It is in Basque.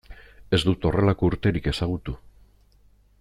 Ez dut horrelako urterik ezagutu.